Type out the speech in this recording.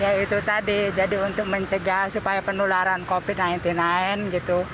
ya itu tadi jadi untuk mencegah supaya penularan covid sembilan belas lain gitu